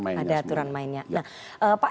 mainnya ada aturan mainnya